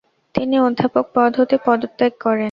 তিনি অধ্যাপক পদ হতে পদত্যাগ করেন।